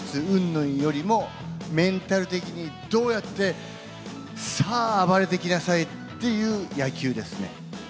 うんぬんよりも、メンタル的にどうやって、さあ、暴れてきなさいっていう野球ですね。